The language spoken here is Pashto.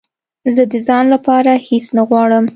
زه د ځان لپاره هېڅ نه غواړم